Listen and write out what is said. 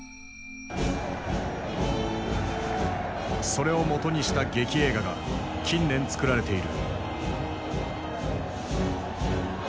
それをもとにした劇映画が近年作られている。